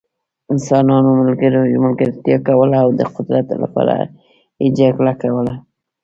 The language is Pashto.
انسانانو ملګرتیا کوله او د قدرت لپاره یې جګړه کوله.